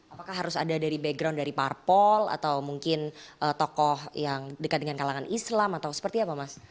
apakah harus ada dari background dari parpol atau mungkin tokoh yang dekat dengan kalangan islam atau seperti apa mas